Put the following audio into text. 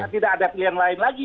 tidak ada pilihan lain lagi